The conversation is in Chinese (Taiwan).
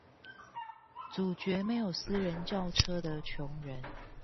阻絕沒有私人轎車的窮人